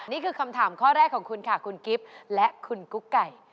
นี่คือคำถามข้อแรกของคุณค่ะคุณกิฟต์และคุณกุ๊กไก่